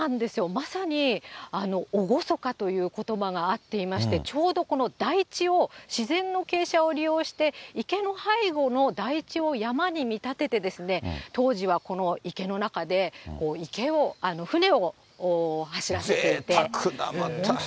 まさに厳かということばが合っていまして、ちょうどこの台地を自然の傾斜を利用して、池の背後の台地を山に見立てて、当時はこの池の中で、ぜいたくな、また。